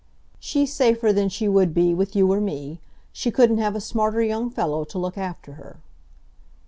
"She's safer than she would be, with you or me. She couldn't have a smarter young fellow to look after her."